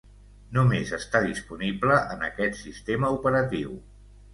Només està disponible en aquest sistema operatiu.